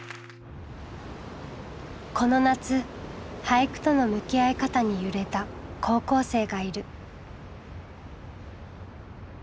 この夏俳句との向き合い方に揺れた高校生がいる。